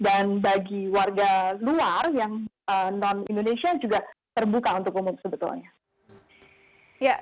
bagi warga luar yang non indonesia juga terbuka untuk umum sebetulnya